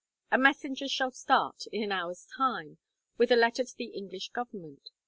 A messenger shall start, in an hour's time, with a letter to the English Government.